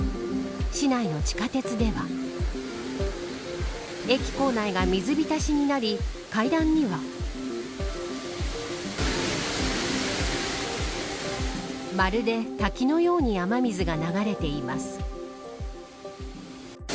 市内の地下鉄では駅構内が水浸しになり階段にはまるで滝のように雨水が流れています。